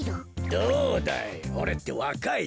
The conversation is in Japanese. どうだい？